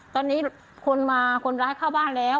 ตอนนี้คนมาคนร้ายเข้าบ้านแล้ว